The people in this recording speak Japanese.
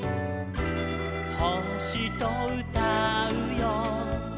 「ほしとうたうよ」